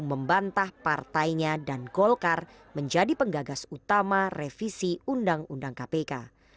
membantah partainya dan golkar menjadi penggagas utama revisi undang undang kpk